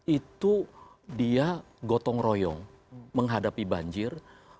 itu dia gotong royong menghadapi banjir